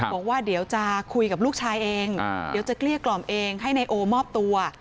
บอกว่าเดี๋ยวจะคุยกับลูกชายเองเดี๋ยวจะเกลี้ยกล่อมเองให้นายโอมอบตัว